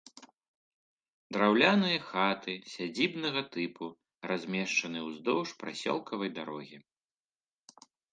Драўляныя хаты сядзібнага тыпу размешчаны ўздоўж прасёлкавай дарогі.